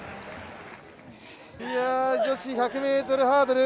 いや、女子１００ｍハードル。